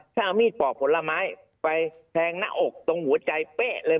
ถ้าเอามีดปอกผลไม้ไปแทงหน้าอกตรงหัวใจเป๊ะเลย